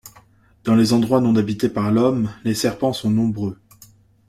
Dans les endroits non habités par l'homme, les serpents sont nombreux.